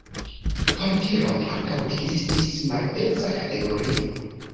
Por viroj ankaŭ ekzistis malpeza kategorio.